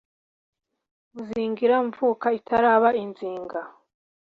muzingira mvuka itaraba izinga